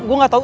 gue gak tau